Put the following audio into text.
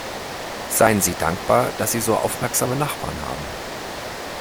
Seien Sie dankbar, dass Sie so aufmerksame Nachbarn haben!